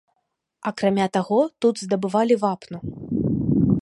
Акрамя таго, тут здабывалі вапну.